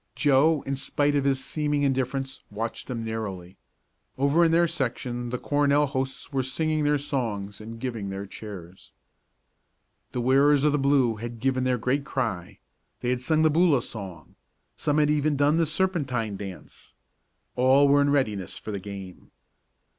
Joe, in spite of his seeming indifference, watched them narrowly. Over in their section the Cornell hosts were singing their songs and giving their cheers. The wearers of the blue had given their great cry they had sung the Boola song some had even done the serpentine dance. All was in readiness for the game.